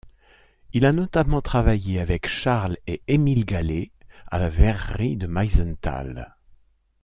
Il a notamment travaillé avec Charles et Émile Gallé à la verrerie de Meisenthal.